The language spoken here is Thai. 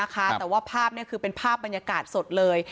แต่ว่าภาพเป็นภาพบรรยากาศสดเลย